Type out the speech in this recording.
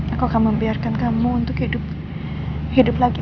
aku akan membiarkan kamu untuk hidup hidup lagi mas